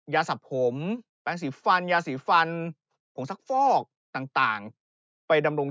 ยาสับผมแป้งสีฟันยาสีฟันของสักฟอกต่างไปดำรง